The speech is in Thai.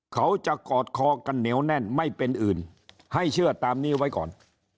เขาจะกอดคอกันเหนียวแน่นไม่เป็นอื่นให้เชื่อตามนี้ไว้ก่อน